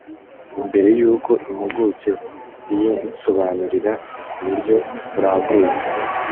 mbere yuko impuguke iyinsobanurira ku buryo burambuye.